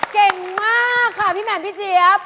เก่งมากค่ะพี่แหม่มพี่เจี๊ยบ